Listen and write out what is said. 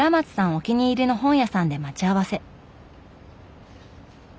お気に入りの本屋さんで待ち合わせ。